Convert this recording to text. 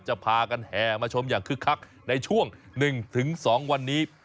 พากันแห่มาชมอย่างคึกคักในช่วง๑๒วันนี้